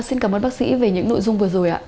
xin cảm ơn bác sĩ về những nội dung vừa rồi ạ